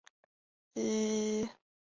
马录为正德三年戊辰科三甲进士。